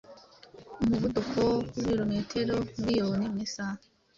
umuvuduko w’ibirometero miriyoni mu isaha